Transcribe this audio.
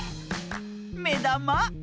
めだま。